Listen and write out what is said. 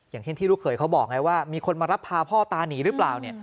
อย่างเช่นที่ลูกเขยเขาบอกไงว่ามีคนมารับพาพ่อตาหนีหรือเปล่า